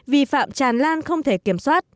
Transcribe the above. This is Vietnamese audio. vi phạm tràn lan không thể kiểm soát